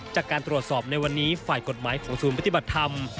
จากการตรวจสอบในวันนี้ฝ่ายกฎหมายของศูนย์ปฏิบัติธรรม